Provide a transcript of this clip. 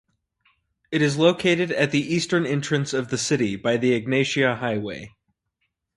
It is located at the eastern entrance of the city by the Egnatia highway.